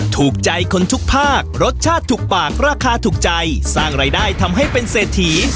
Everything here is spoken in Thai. ถูกใจคนทุกภาครสชาติถูกปากราคาถูกใจสร้างรายได้ทำให้เป็นเศรษฐี